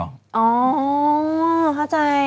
อ๋อเข้าใจ